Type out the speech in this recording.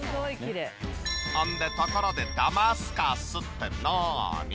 ほんでところで「ダマスカス」ってなに？